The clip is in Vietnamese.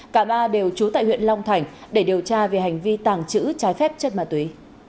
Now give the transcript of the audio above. cả ba đều trú tại huyện long thành để điều tra về hành vi tàng trữ trái phép chất ma túy